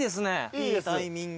いいタイミング。